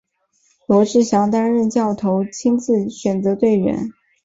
罗志祥担任教头亲自选择队员。